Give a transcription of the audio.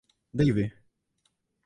Davey.